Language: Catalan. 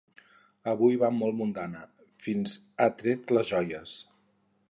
Avui va molt mudada: fins ha tret les joies.